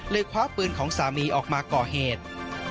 คว้าปืนของสามีออกมาก่อเหตุ